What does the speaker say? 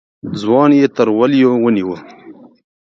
ځوان يې تر وليو ونيو.